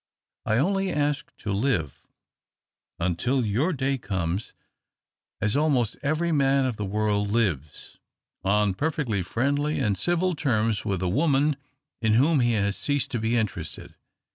I only ask to live (until your day comes) as almost every man of the world lives — on perfectly friendly and civil terms wdth a woman in whom he has ceased to be interested.